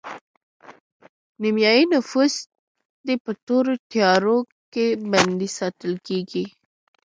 نیمایي نفوس دې په تورو تیارو کې بندي ساتل کیږي